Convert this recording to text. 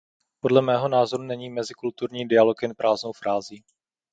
Podle mého názoru není mezikulturní dialog jen prázdnou frází.